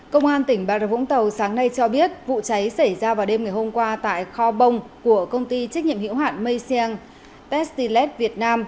công an tỉnh bà rập vũng tàu sáng nay cho biết vụ cháy xảy ra vào đêm ngày hôm qua tại kho bông của công ty trách nhiệm hiệu hạn mây siêng pestilet việt nam